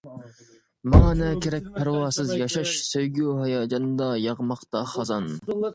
ماڭا نە كېرەك پەرۋاسىز ياشاش, سۆيگۈ-ھاياجاندا ياغماقتا خازان.